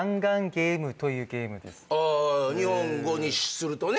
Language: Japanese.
あ日本語にするとね。